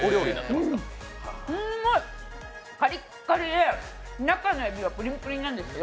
すんごい、カリッカリで、中のえびがプリンプリンなんですよ。